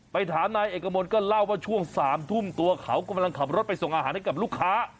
ถามนายเอกมลก็เล่าว่าช่วง๓ทุ่มตัวเขากำลังขับรถไปส่งอาหารให้กับลูกค้า